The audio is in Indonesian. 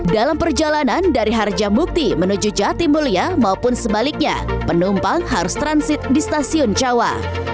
dalam perjalanan dari harjamukti menuju jatimulya maupun sebaliknya penumpang harus transit di stasiun jawa